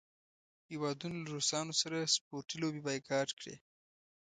هیوادونو له روسانو سره سپورټي لوبې بایکاټ کړې.